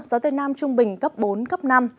gió tây nam trung bình cấp bốn cấp năm